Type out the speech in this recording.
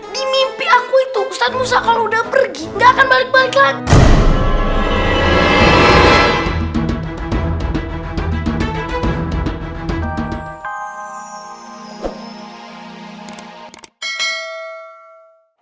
di mimpi aku itu ustadz musa kalau udah pergi gak akan balik balik lagi